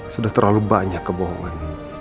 sudah terlalu banyak kebohongan